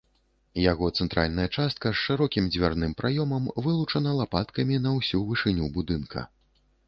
Яго цэнтральная частка з шырокім дзвярным праёмам вылучана лапаткамі на ўсю вышыню будынка.